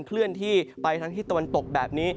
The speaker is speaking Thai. เคลื่อนที่ไปทางที่ตะวันตกแบบนี้